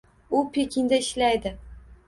U Pekinda ishlaydi